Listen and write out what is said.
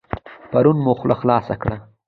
پرون مو خوله خلاصه کړه.